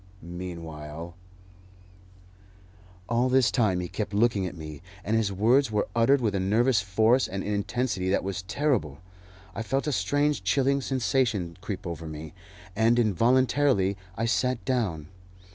Meanwhile " All this time he kept looking at me, and his words were uttered with a nervous force and intensity that was terrible. I felt a strange chilling sensation creep over me, and involuntarily I sat down.